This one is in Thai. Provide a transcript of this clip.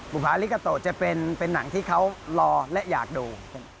บุภาลิกาโตะจะเป็นหนังที่เขารอและอยากดู